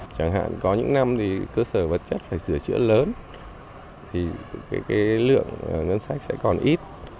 chẳng hạn có những năm thì cơ sở vật chất phải sửa chữa lớn thì cái lượng ngân sách sẽ còn ít